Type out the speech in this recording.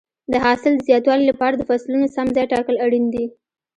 د حاصل د زیاتوالي لپاره د فصلونو سم ځای ټاکل اړین دي.